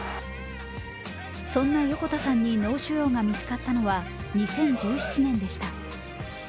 そんな横田さんに脳腫瘍が見つかったのは２０１７年でした。